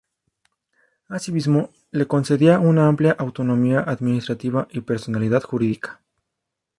Asimismo, le concedía una amplia autonomía administrativa y personalidad jurídica.